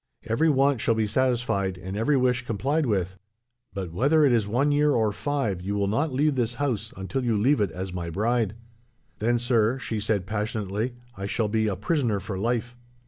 Every want shall be satisfied, and every wish complied with; but, whether it is one year or five, you will not leave this house until you leave it as my bride.' "'Then, sir,' she said passionately, 'I shall be a prisoner for life.'